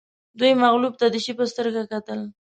دوی مغلوب ته د شي په سترګه کتل